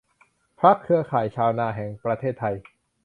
พรรคเครือข่ายชาวนาแห่งประเทศไทย